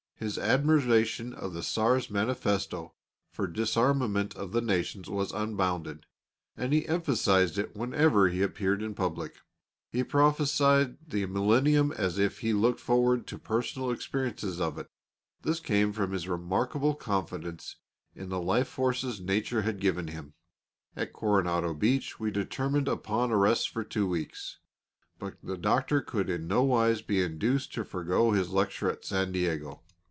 His admiration of the Czar's manifesto for disarmament of the nations was unbounded, and he emphasised it whenever he appeared in public. He prophesied the millennium as if he looked forward to personal experiences of it; this came from his remarkable confidence in the life forces nature had given him. At Coronado Beach we determined upon a rest for two weeks; but the Doctor could in no wise be induced to forego his lecture at San Diego.